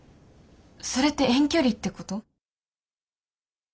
それって遠距離ってこと？